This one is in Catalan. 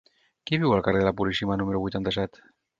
Qui viu al carrer de la Puríssima número vuitanta-set?